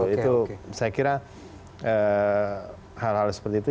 itu saya kira hal hal seperti itu